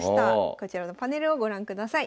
こちらのパネルをご覧ください。